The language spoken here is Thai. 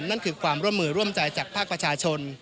นั่นคือความร่วมมือร่วมใจจากภาคประชาชน